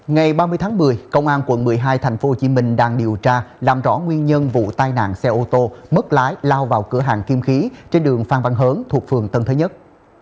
ngày ba mươi tháng một mươi công an quận một mươi hai thành phố hồ chí minh đang điều tra làm rõ nguyên nhân vụ tai nạn xe ô tô mất lái lao vào cửa hàng kim khí trên đường phan văn hớn thuộc phường tân thế nhất